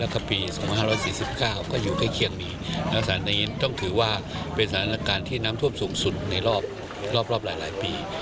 ต้องถือว่าเป็นสถานการณ์ที่น้ำท่วมสูงสุดในรอบหลายปี